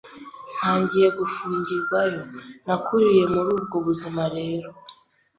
ntagiye gufungirwayo, nakuriye muri ubwo buzima rero